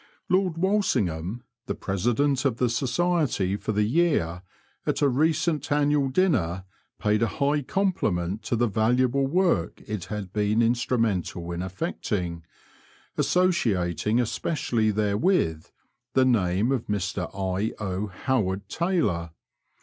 Lord Walsingham, the President of the society for the year, at a recent annual dinner paid a high compliment to the valuable work it had been instrumental in effecting, associating especially therewith the name of Mr I. 0. Howard Taylor.